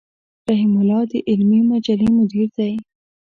رحيم الله د علمي مجلې مدير دی.